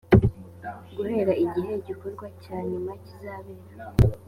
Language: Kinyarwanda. guhera igihe igikorwa cya nyuma kizabera